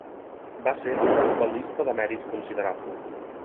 Va ser una novel·lista de mèrit considerable.